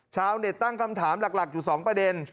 ชาวเน็ตตั้งคำถามหลักอยู่๒ประเด็น